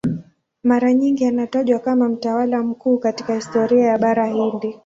Mara nyingi anatajwa kama mtawala mkuu katika historia ya Bara Hindi.